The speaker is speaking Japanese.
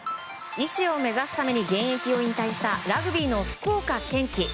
医師を目指すために現役を引退したラグビーの福岡堅樹。